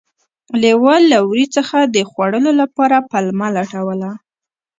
لیوه له وري څخه د خوړلو لپاره پلمه لټوله.